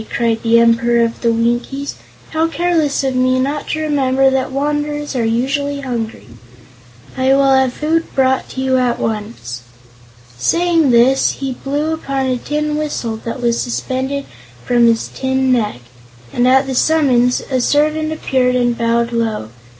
cried the Emperor of the Winkies; "how careless of me not to remember that wanderers are usually hungry. I will have food brought you at once." Saying this he blew upon a tin whistle that was suspended from his tin neck, and at the summons a servant appeared and bowed low.